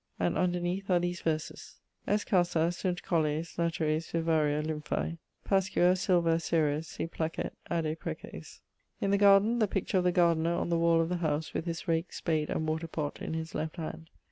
and underneath are these verses: Est casa, sunt colles, lateres, vivaria, lymphae, Pascua, sylva, Ceres: si placet, adde preces. In the garden, the picture of the gardiner, on the wall of the howse, with his rake, spade, and water pott in his left hand.